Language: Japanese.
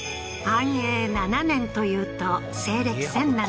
安永７年というと西暦